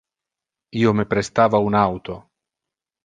Io me prestava un auto.